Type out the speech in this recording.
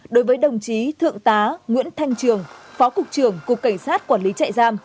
đối với đồng chí thượng tá nguyễn thanh trường phó cục trưởng cục cảnh sát quản lý chạy giam